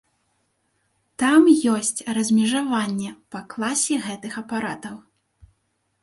Там ёсць размежаванне па класе гэтых апаратаў.